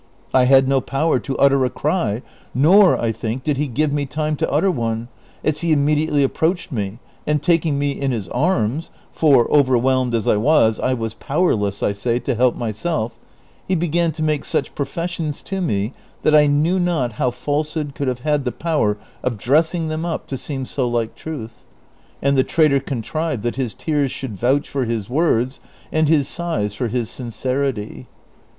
1 had no power to utter a cry, nor, I CHAPTER XXVIII. 231 think, did he give me time to utter one, as he immediately ap proached me, and taking me in his arms (for, overwhehiied as I was, I was jDowerless, I say, to help myself), he began to make such pro fessions to me, that 1 know not how falsehood could have had the jjower of dressing them up to seem so like truth ; antl the traitor contrived that his tears should vouch for his words, and his sighs for his sincerity.